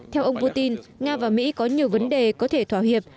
theo ông putin nga và mỹ có nhiều vấn đề có thể thỏa hiệp